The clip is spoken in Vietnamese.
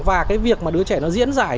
và việc đứa trẻ diễn giải